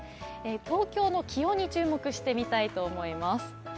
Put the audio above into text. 東京の気温に注目してみたいと思います。